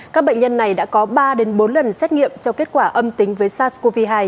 các bệnh nhân này đã có ba bốn lần xét nghiệm cho kết quả âm tính với sars cov hai